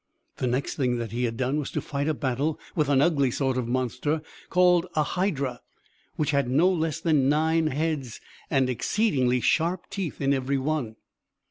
The next thing that he had done was to fight a battle with an ugly sort of monster, called a hydra, which had no less than nine heads, and exceedingly sharp teeth in every one.